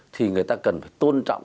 thì người ta cần tôn trọng